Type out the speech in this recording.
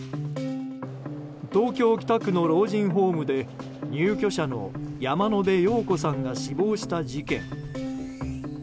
東京・北区の老人ホームで入居者の山野辺陽子さんが死亡した事件。